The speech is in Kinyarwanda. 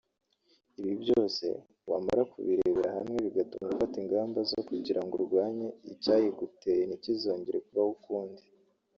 ibyo byose wamara kubirebera hamwe bigatuma ufata ingamba zo kugira ngo urwanye icyayiguteye ntikizongere kubaho ukundi…